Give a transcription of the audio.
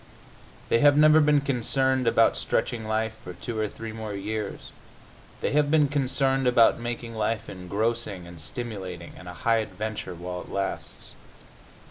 They have never been concerned about stretching life for two or three more years; they have been concerned about making life engrossing and stimulating and a high adventure while it lasts.